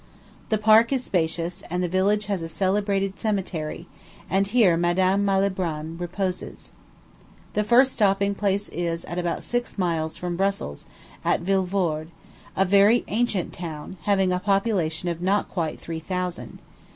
The park is spacious, and the village has a celebrated cemetery; and here Madame Malibran reposes. The first stopping place is at about six miles from Brussels, at Vilvorde a very ancient town, having a population of not quite three thousand.